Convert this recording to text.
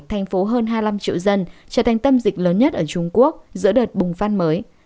thành phố hơn hai mươi năm triệu dân trở thành tâm dịch lớn nhất ở trung quốc giữa đợt bùng phát mới